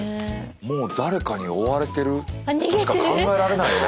もう誰かに追われているとしか考えられないね。